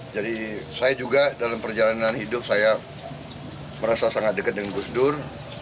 jadi saya juga dalam perjalanan hidup saya merasa sangat dekat dengan gusdur